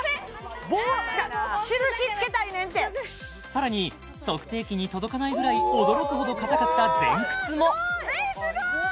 棒印つけたいねんてさらに測定器に届かないぐらい驚くほど硬かった前屈も・わあすごい！